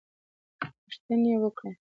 پوښتنې وکړې.